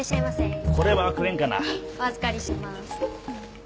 お預かりします。